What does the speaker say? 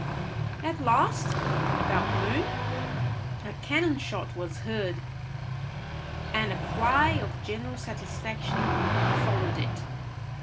At last, about noon, a cannon shot was heard, and a cry of general satisfaction followed it.